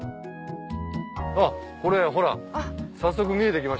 あっこれほら早速見えてきましたよ。